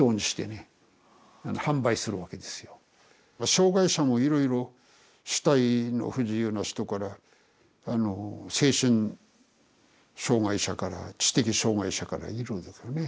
障害者もいろいろ肢体の不自由な人から精神障害者から知的障害者からいるんですね。